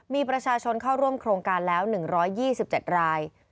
มีประชาชนเข้าร่วมโครงการแล้ว๑๒๗ราย